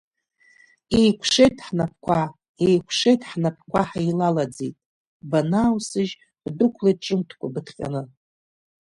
Еикушеит ҳнапқәа, еикәшеит ҳнапқәа ҳаилалаӡеит, банааусыжь бдәықәлеит ҿымҭкәа быҭҟьаны!